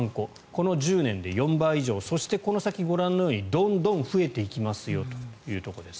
この１０年で４倍以上そして、この先ご覧のようにどんどん増えていきますよというところです。